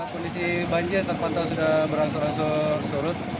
kondisi banjir terpantau sudah beransur ansur surut